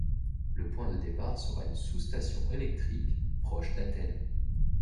Le point de départ sera une sous-station électrique proche d'Athènes.